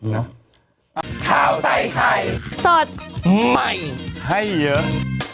ข้าวใส่ไข่สดใหม่ให้เยอะ